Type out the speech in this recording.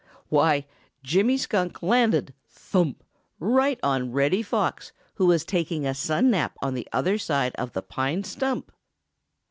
Why, Jimmy Skunk landed thump! right on Reddy Fox, who was taking a sun nap on the other side of the pine stump!